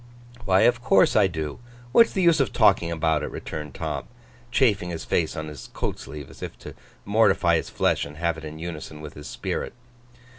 'Why, of course I do. What's the use of talking about it!' returned Tom, chafing his face on his coat sleeve, as if to mortify his flesh, and have it in unison with his spirit.